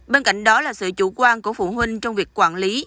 bên cạnh đó là sự chủ quan của phụ huynh trong việc quản lý